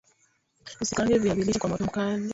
Usikaange viazi lishe kwa moto mkali